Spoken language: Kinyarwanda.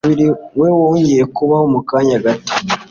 umubiri we wongeye kubaho mu kanya gato